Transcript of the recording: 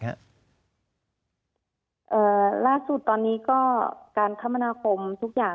ล่าสุดตอนนี้ก็การคมนาคมทุกอย่าง